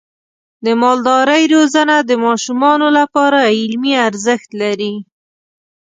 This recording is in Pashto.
د مالدارۍ روزنه د ماشومانو لپاره علمي ارزښت لري.